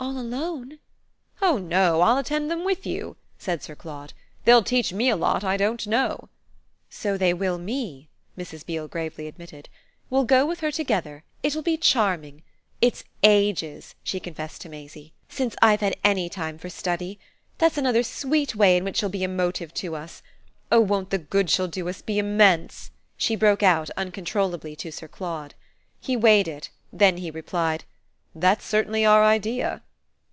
"All alone?" "Oh no; I'll attend them with you," said Sir Claude. "They'll teach me a lot I don't know." "So they will me," Mrs. Beale gravely admitted. "We'll go with her together it will be charming. It's ages," she confessed to Maisie, "since I've had any time for study. That's another sweet way in which you'll be a motive to us. Oh won't the good she'll do us be immense?" she broke out uncontrollably to Sir Claude. He weighed it; then he replied: "That's certainly our idea."